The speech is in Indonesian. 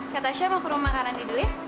kak tasya mau ke rumah kak randy dulu ya